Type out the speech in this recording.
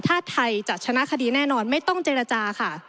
ถ้าไทยจะชนะคดีแน่นอนไม่ต้องเจรจาค่ะ